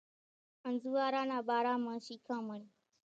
انزوئارا نا ٻارا مان شيکامڻ،